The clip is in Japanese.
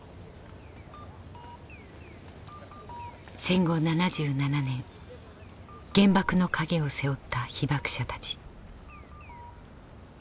戦後７７年原爆の影を背負った被爆者たち。